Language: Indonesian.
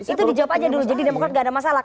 itu dijawab aja dulu jadi demokrat gak ada masalah